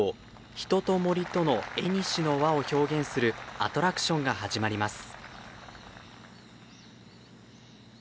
人と森との縁の輪」を表現するアトラクションが始まります。